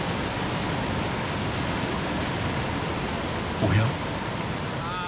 おや？